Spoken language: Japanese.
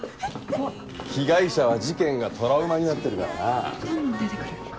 被害者は事件がトラウマになってるからな。